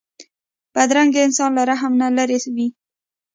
بدرنګه انسان له رحم نه لېرې وي